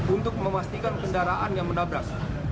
untuk memastikan kendaraan yang menabrak